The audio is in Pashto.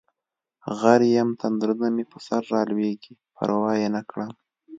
غر یم تندرونه مې په سرلویږي پروا یې نکړم